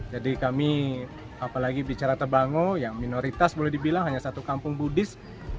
jadi kami apalagi bicara terbangun yang minoritas boleh dibilang hanya satu kampung buddhis